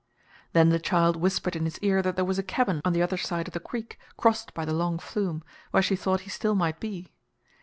Then the child whispered in his ear that there was a cabin on the other side of the creek crossed by the long flume, where she thought he still might be.